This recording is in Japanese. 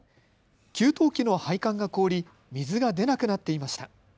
給湯器の配管が凍り水が出なくなっていました。